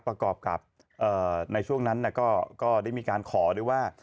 ประกอบกับในช่วงนั้นก็ได้มีการขอด้วยว่า